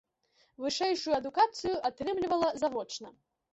Вышэйшую адукацыю атрымлівала завочна.